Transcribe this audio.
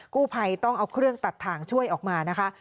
กู้ภัยต้องเอาเครื่องตัดถ่างช่วยออกมานะคะ